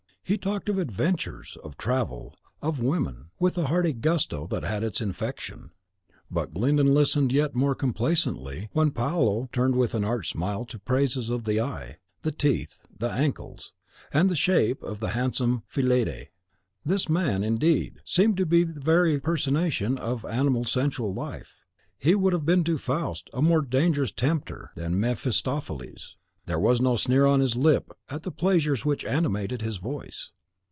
He talked of adventures, of travel, of women, with a hearty gusto that had its infection. But Glyndon listened yet more complacently when Paolo turned with an arch smile to praises of the eye, the teeth, the ankles, and the shape of the handsome Fillide. This man, indeed, seemed the very personation of animal sensual life. He would have been to Faust a more dangerous tempter than Mephistopheles. There was no sneer on HIS lip at the pleasures which animated his voice.